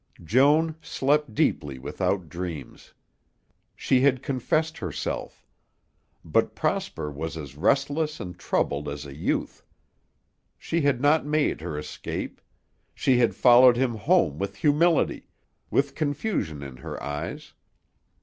Joan slept deeply without dreams; she had confessed herself. But Prosper was as restless and troubled as a youth. She had not made her escape; she had followed him home with humility, with confusion in her eyes.